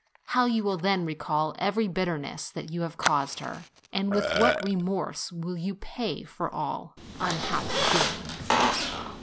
How you will then recall every bitterness that you have caused her, and with what remorse you will pay for all, unhappy being!